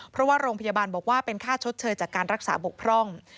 เพราะว่าโรงพยาบาลบอกว่าเป็นค่าชดเชยจากการรักษาบกพร่อง